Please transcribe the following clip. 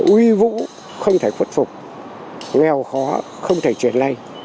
uy vũ không thể khuất phục nghèo khó không thể truyền lây